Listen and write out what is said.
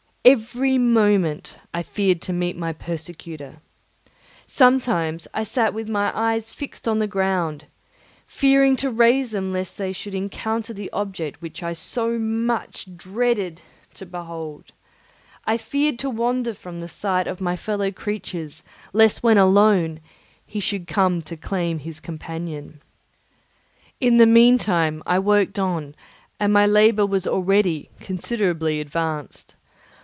Every moment I feared to meet my persecutor. Sometimes I sat with my eyes fixed on the ground, fearing to raise them lest they should encounter the object which I so much dreaded to behold. I feared to wander from the sight of my fellow creatures lest when alone he should come to claim his companion. In the mean time I worked on, and my labour was already considerably advanced.